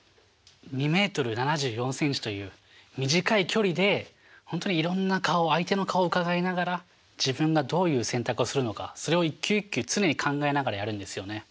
２メートル７４センチという短い距離でほんとにいろんな顔相手の顔をうかがいながら自分がどういう選択をするのかそれを一球一球常に考えながらやるんですよね。